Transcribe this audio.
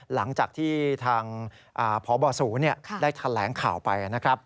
หลังจากที่ทางพบศูนย์ได้แถลงข่าวไปนะครับ